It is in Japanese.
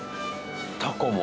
タコも。